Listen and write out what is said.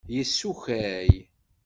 Yessukkay.